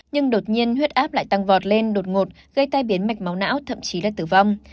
nhưng đột nhiên huyết áp lại tăng vọt lên đột ngột gây tai biến mạch máu não thậm chí là tử vong